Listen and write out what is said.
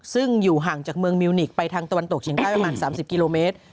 ซึ่งอยู่ห่างจากเมืองมิวนิกไปทางตะวันตกเฉียงใต้ประมาณ๓๐กิโลเมตร